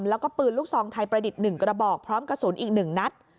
แล้วก็ปืนลูกซองไทยประดิษฐ์๑กระบอกพร้อมกระสุนอีก๑นัด